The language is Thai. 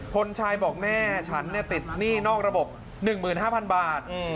พลชายบอกแม่ฉันติดหนี้นอกระบบ๑๕๐๐๐บาท